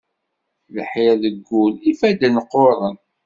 Lḥir deg ul, ifadden qquṛen.